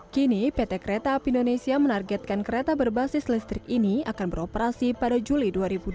kini pt kereta api indonesia menargetkan kereta berbasis listrik ini akan beroperasi pada juli dua ribu dua puluh